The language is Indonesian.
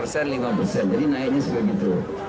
jadi naiknya sedikit